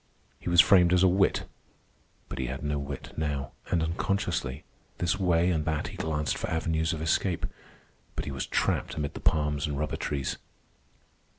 He was famed as a wit, but he had no wit now. And, unconsciously, this way and that he glanced for avenues of escape. But he was trapped amid the palms and rubber trees.